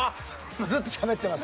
ずっとしゃべってますね。